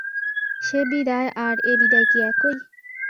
সে বিদায় আর এ বিদায় কি একই।